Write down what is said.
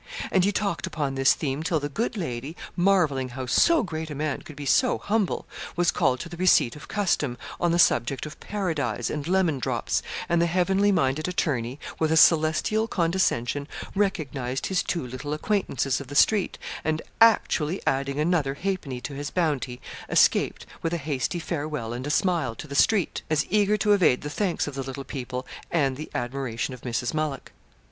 And he talked upon this theme till the good lady, marvelling how so great a man could be so humble, was called to the receipt of custom, on the subject of 'paradise' and 'lemon drops,' and the heavenly minded attorney, with a celestial condescension, recognised his two little acquaintances of the street, and actually adding another halfpenny to his bounty escaped, with a hasty farewell and a smile, to the street, as eager to evade the thanks of the little people, and the admiration of Mrs. Mullock.